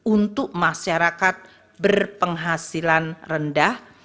untuk masyarakat berpenghasilan rendah